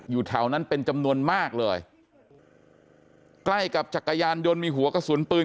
อยู่แถวนั้นเป็นจำนวนมากเลยใกล้กับจักรยานยนต์มีหัวกระสุนปืน